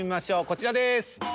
こちらです。